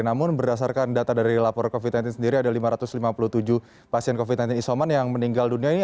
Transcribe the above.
namun berdasarkan data dari lapor covid sembilan belas sendiri ada lima ratus lima puluh tujuh pasien covid sembilan belas isoman yang meninggal dunia ini